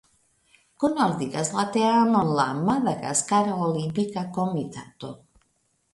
Kunordigas la teamon la Madagaskara Olimpika Komitato.